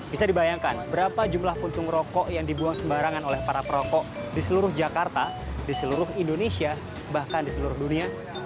bisa dibayangkan berapa jumlah puntung rokok yang dibuang sembarangan oleh para perokok di seluruh jakarta di seluruh indonesia bahkan di seluruh dunia